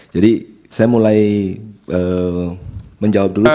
jadi saya mulai menjawab dulu